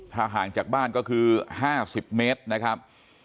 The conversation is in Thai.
ถ้าห่างจากบ้านก็คือ๕๐เมตรนะครับ